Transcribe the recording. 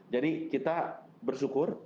jadi kita bersyukur